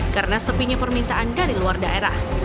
karena sepinya permintaan dari luar daerah